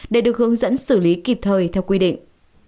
để được hướng dẫn xử lý kịp thời theo quy định